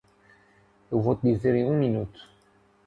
Eu vou te dizer em um minuto.